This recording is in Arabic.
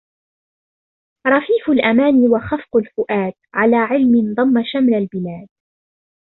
رفيـفُ الأماني وخَفـقُ الفؤادْ عـلى عَـلَمٍ ضَمَّ شَـمْلَ البلادْ